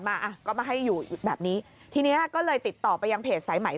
อ่ะก็มาให้อยู่แบบนี้ทีเนี้ยก็เลยติดต่อไปยังเพจสายไหม